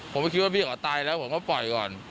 ผมไม่คิดว่าพี่ขอตายแล้วผมก็ปล่อยก่อน